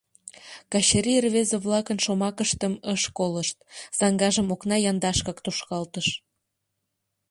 — Качыри рвезе-влакын шомакыштым ыш колышт, саҥгажым окна яндашкак тушкалтыш.